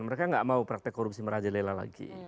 mereka gak mau praktek korupsi meraja lela lagi